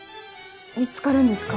見つかるんですか？